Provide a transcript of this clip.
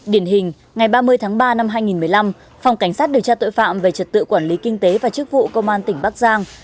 điển hình ngày ba mươi tháng ba năm hai nghìn một mươi năm phòng cảnh sát điều tra tội phạm về trật tự quản lý kinh tế và chức vụ công an tỉnh bắc giang